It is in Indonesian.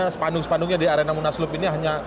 sepandung sepandungnya di arena munaslup ini hanya